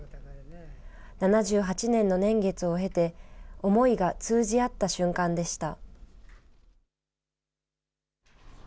７８年の年月を経て、思いが通じ合った瞬間でした。